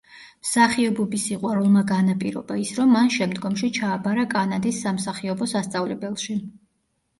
მსახიობობის სიყვარულმა განაპირობა ის, რომ მან შემდგომში ჩააბარა კანადის სამსახიობო სასწავლებელში.